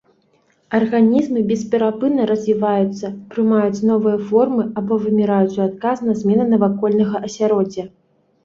Арганізмы бесперапынна развіваюцца, прымаюць новыя формы або выміраюць ў адказ на змены навакольнага асяроддзя.